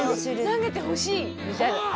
投げてほしいみたいな。